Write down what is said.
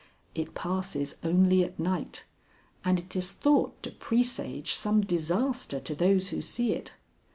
It passes only at night, and it is thought to presage some disaster to those who see it.